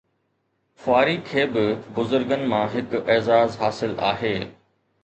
خواري کي به بزرگن مان هڪ اعزاز حاصل آهي